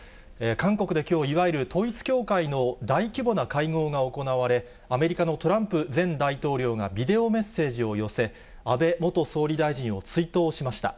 韓国できょう、いわゆる統一教会の大規模な会合が行われ、アメリカのトランプ前大統領がビデオメッセージを寄せ、安倍元総理大臣を追悼しました。